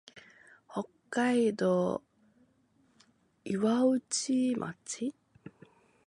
北海道岩内町